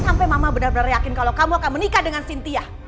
sampai mama benar benar yakin kalau kamu akan menikah dengan sintia